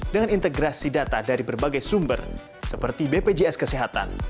dengan integrasi data dari berbagai sumber seperti bpjs kesehatan